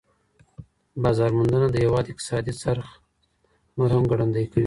بازار موندنه د هیواد اقتصادي څرخ نور هم ګړندی کوي.